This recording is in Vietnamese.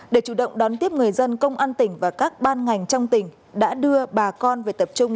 để chủ động đón tiếp người dân công an tỉnh và các ban ngành trong tỉnh đã đưa bà con về tập trung